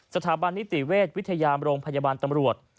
สถาบันนิติเวชวิทยามโรงพยาบาลตำรวจ